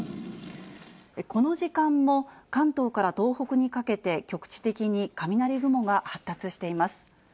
この時間も、関東から東北にかけて局地的に雷雲が発達しています。